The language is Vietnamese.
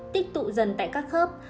tích tụ dần tại các khớp